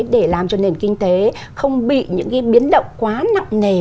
để làm cho nền kinh tế không bị những biến động quá nặng nề